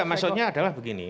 enggak maksudnya adalah begini